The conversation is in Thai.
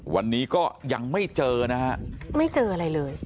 วันนี้ก็ยังไม่เจอนะฮะไม่เจออะไรเลย